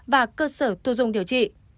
và cơ sở thu dung điều trị